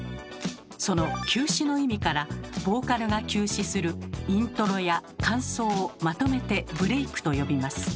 その「休止」の意味からボーカルが休止するイントロや間奏をまとめて「ブレイク」と呼びます。